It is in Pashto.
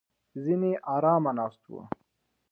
ځینې ارامه ناست وو.